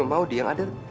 mau dia yang ada